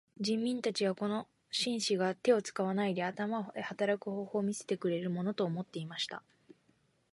人民たちはこの紳士が手を使わないで頭で働く方法を見せてくれるものと思っていました。